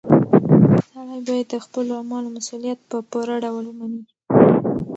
سړی باید د خپلو اعمالو مسؤلیت په پوره ډول ومني.